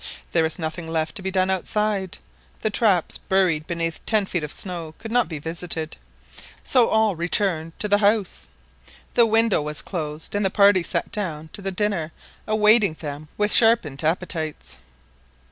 There was nothing left to be done outside, the traps buried beneath ten feet of snow could not be visited, so all returned to the house, the window, was closed, and the party sat down to the dinner awaiting them with sharpened appetites.